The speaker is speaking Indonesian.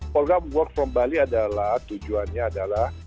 program work from bali adalah tujuannya adalah